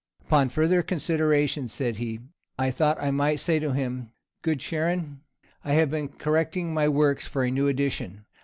"Upon further consideration," said he, "I thought I might say to him, 'Good Charon, I have been correcting my works for a new edition.